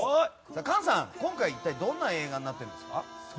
簡さん、今回は一体どんな映画になっていますか？